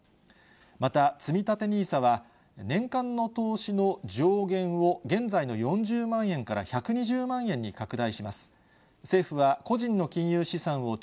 またつみたてＮＩＳＡは、年間の投資の上限を、現在の４０万円から１２０万円に拡大します。